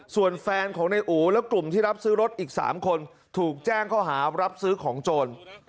ส่วนแฟนของในอู๋และกลุ่มที่รับซื้อรถอีก๓คนถูกแจ้งข้อหารับซื้อของโจร